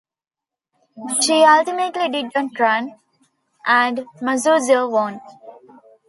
She ultimately did not run, and Masuzoe won.